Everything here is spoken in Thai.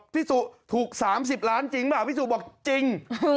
พี่สุถูก๓๐ล้านจริงป่ะพี่สุบอกจริง